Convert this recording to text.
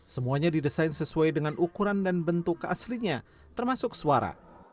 semuanya didesain sesuai dengan ukuran dan bentuk keaslinya termasuk suara